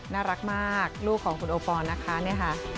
น่ารักมากลูกของคุณโอปอนนะคะเนี่ยค่ะ